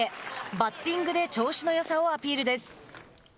バッティングで調子のよさをアピールです。